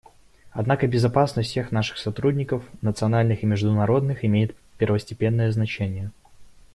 Однако безопасность всех наших сотрудников, национальных и международных, имеет первостепенное значение.